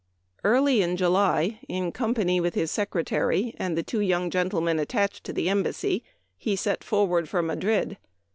Early in July, in company with his Secretary and the two young gentlemen attached to the Embassy, he set forward for Madrid.